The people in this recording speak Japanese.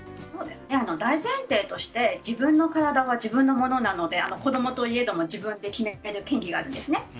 大前提として自分の体は自分のものなので子供といえども自分で決める権利があるんですね。